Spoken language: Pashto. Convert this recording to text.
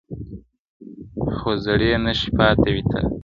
خو زړې نښې پاتې وي تل,